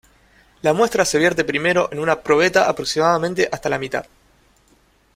La muestra se vierte primero en una probeta aproximadamente hasta la mitad.